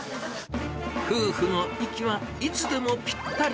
夫婦の息はいつでもぴったり。